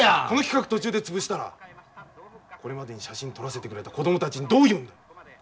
この企画途中で潰したらこれまでに写真撮らせてくれた子供たちにどう言うんだ？